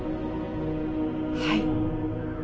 はい。